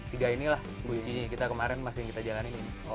ya tiga inilah kuncinya kita kemarin masih yang kita jalanin ini